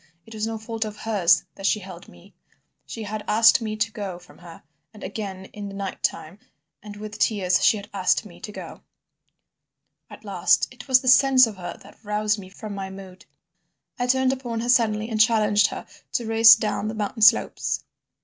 It was no fault of hers that she held me. She had asked me to go from her, and again in the night time and with tears she had asked me to go. "At last it was the sense of her that roused me from my mood. I turned upon her suddenly and challenged her to race down the mountain slopes.